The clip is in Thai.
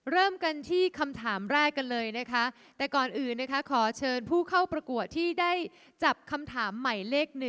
เริ่มกันที่คำถามแรกกันเลยนะคะแต่ก่อนอื่นนะคะขอเชิญผู้เข้าประกวดที่ได้จับคำถามใหม่เลข๑